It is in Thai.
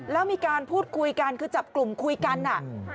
แล้วมีการพูดคุยกันคือจับกลุ่มคุยกันอ่ะ